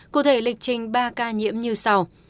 cụ thể lịch trình ba ca nhiễm như sau